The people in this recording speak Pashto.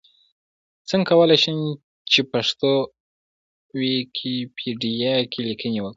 څنګه کولی شم چې پښتو ويکيپېډيا کې ليکنې وکړم؟